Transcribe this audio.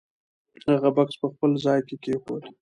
هغه بکس په خپل ځای کېښود.